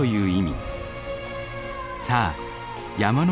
さあ山の